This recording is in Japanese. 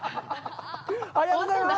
ありがとうございます。